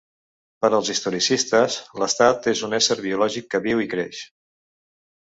Per als historicistes, l'estat és un ésser biològic que viu i creix.